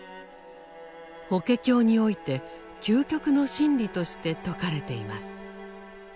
「法華経」において究極の真理として説かれています。